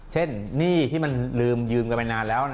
เช่นหนี้ที่มันลืมยืมกันมานานแล้ว